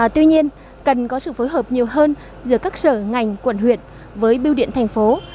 tuy nhiên cần có sự phối hợp nhiều hơn giữa các sở ngành quận huyện với biêu điện thành phố